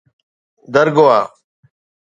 Dargwa